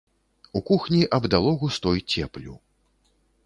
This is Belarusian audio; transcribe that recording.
У кухні абдало густой цеплю.